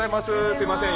すいません